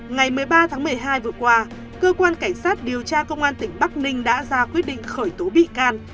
ngày một mươi ba tháng một mươi hai vừa qua cơ quan cảnh sát điều tra công an tỉnh bắc ninh đã ra quyết định khởi tố bị can